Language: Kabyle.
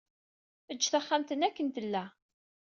Ejj taxxamt-nni akken tella.